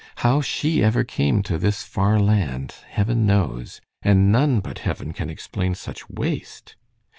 How she ever came to this far land, heaven knows, and none but heaven can explain such waste.